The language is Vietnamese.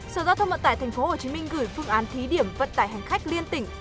sở giao thông vận tải thành phố hồ chí minh gửi phương án thí điểm vận tải hành khách liên tỉnh